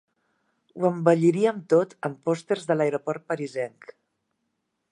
Ho embelliríem tot amb pòsters de l'aeroport parisenc.